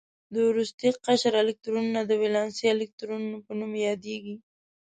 د وروستي قشر الکترونونه د ولانسي الکترونونو په نوم یادوي.